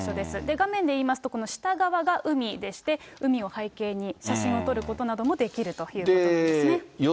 画面で言いますと、この下側が海でして、海を背景に、写真を撮ることなどもできるということですね。